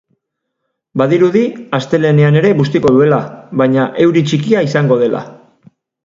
Badirudi astelehenean ere bustiko duela, baina euri txikia izango dela.